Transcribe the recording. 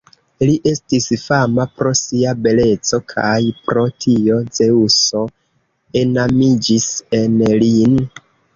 Li estis fama pro sia beleco, kaj pro tio Zeŭso enamiĝis en lin.